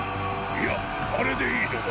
いやあれでいいのだ。